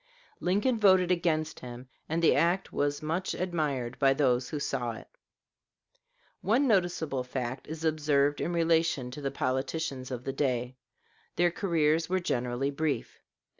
Lincoln voted against him, and the act was much admired by those who saw it. One noticeable fact is observed in relation to the politicians of the day their careers were generally brief.